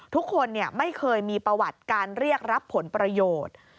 ทุกคนไม่เคยมีประวัติการเรียกรับผลประโยชน์